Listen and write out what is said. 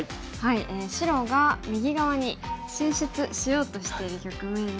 白が右側に進出しようとしている局面で。